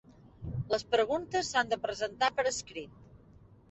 Les preguntes s'han de presentar per escrit.